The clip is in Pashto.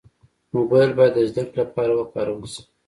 موبایل باید د زدهکړې لپاره وکارول شي.